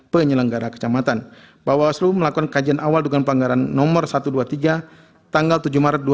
perkara nomor dua oleh